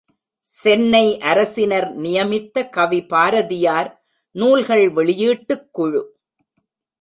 சென்னை அரசினர் நியமித்த கவி பாரதியார் நூல்கள் வெளியீட்டுக் குழு.